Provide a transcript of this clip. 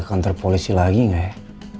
kau tidak ingin